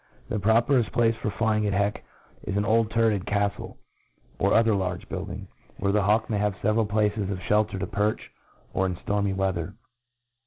The propcreft place for flying at heck i$ an old turreted caftlc, or other large building,, where the hawk may have feveral places of fliel ter to perch oa in ftormy weather.